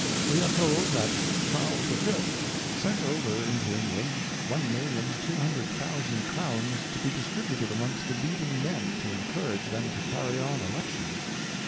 We are told. That Charles the Fifth sent over into England 1200000 Members in Parliament. 165 1200000 Crowns to be distributed amongst the Leading Men, to encourage them to carry on Elections.